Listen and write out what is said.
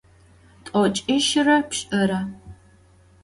T'oç'işıre pş'ıre.